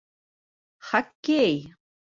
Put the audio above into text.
— Хоккей!